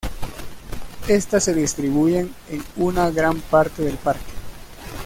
Estas se distribuyen en una gran parte del parque.